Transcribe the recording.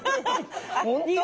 本当？